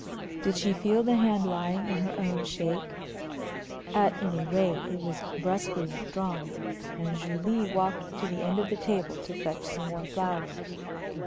Did she feel the hand lying in her own shake? At any rate, it was brusquely withdrawn, and Julie walked to the end of the table to fetch some more flowers.